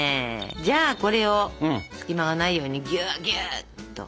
じゃあこれを隙間がないようにぎゅうぎゅうっと。